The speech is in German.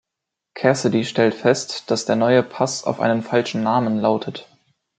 Cassidy stellt fest, dass der neue Pass auf einen falschen Namen lautet.